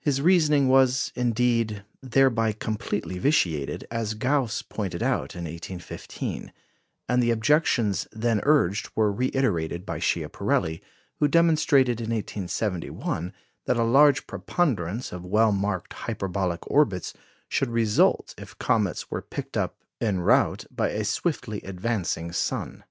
His reasoning was, indeed, thereby completely vitiated, as Gauss pointed out in 1815; and the objections then urged were reiterated by Schiaparelli, who demonstrated in 1871 that a large preponderance of well marked hyperbolic orbits should result if comets were picked up en route by a swiftly advancing sun.